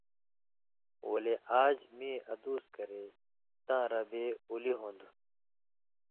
ولے آژ مِیں ادُوس کرے تاں ربے اُلی ہُون٘دوۡ،